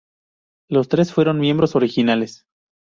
Los tres fueron miembros originales.